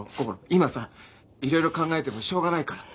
今さいろいろ考えてもしょうがないから。